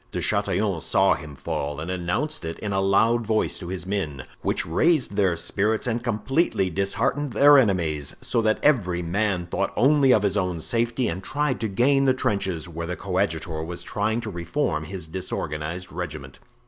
De Chatillon saw him fall and announced it in a loud voice to his men, which raised their spirits and completely disheartened their enemies, so that every man thought only of his own safety and tried to gain the trenches, where the coadjutor was trying to reform his disorganized regiment.